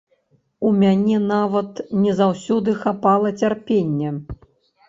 У мяне нават не заўсёды хапала цярпення.